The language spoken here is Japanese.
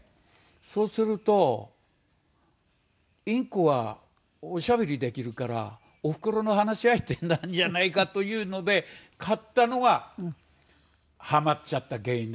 そうするとインコはおしゃべりできるからおふくろの話し相手になるんじゃないかというので飼ったのがハマっちゃった原因なんです。